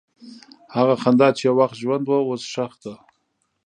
هغه خندا چې یو وخت ژوند وه، اوس ښخ ده.